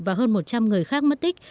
và hơn một trăm linh người khác mất tích